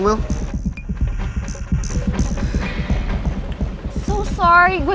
gak usah ngarep deh